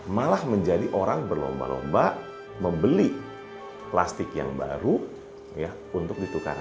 malah menjadi orang berlomba lomba membeli plastik yang baru untuk ditukar